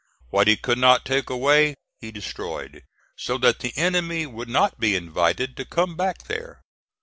What he could not take away he destroyed, so that the enemy would not be invited to come back there.